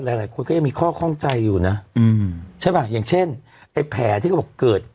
หลายคนก็ยังมีข้อข้องใจอยู่นะอืมใช่ป่ะอย่างเช่นไอ้แผลที่เขาบอกเกิด